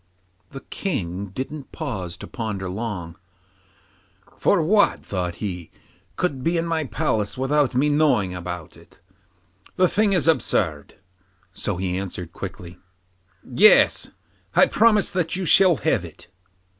The King didn't pause to ponder long, 'for what,' thought he, 'could be in my palace without my knowing about it the thing is absurd;' so he answered quickly: 'Yes, I promise that you shall have it.